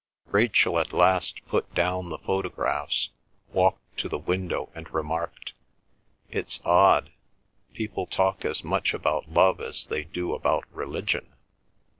Rachel at last put down the photographs, walked to the window and remarked, "It's odd. People talk as much about love as they do about religion."